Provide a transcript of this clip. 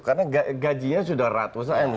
karena gajinya sudah seratus m